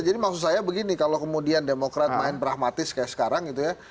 jadi maksud saya begini kalau kemudian demokrat main pragmatis kayak sekarang gitu ya